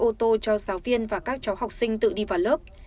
ô tô cho giáo viên và các cháu học sinh tự đi vào lớp